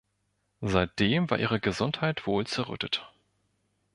Seitdem war ihre Gesundheit wohl zerrüttet.